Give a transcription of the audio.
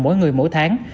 mỗi người mỗi tháng